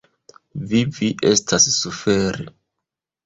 Vivi estas suferi.